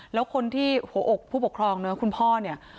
แล้วคนที่หัวอกผู้ปกครองเนอะคุณพ่อเนี่ย